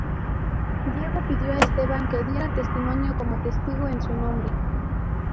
Diego pidió a Esteban que diera testimonio como testigo en su nombre.